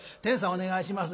お願いします。